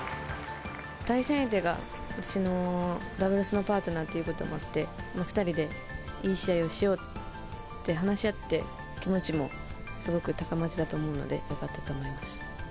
対戦相手が私のダブルスのパートナーということもあって、２人でいい試合をしようって話し合って、気持ちもすごく高まってたと思うので、よかったと思います。